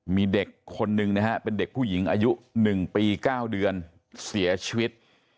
มีเด็กคนหนึ่งนะฮะเป็นเด็กผู้หญิงอายุ๑ปี๙เดือนเสียชีวิต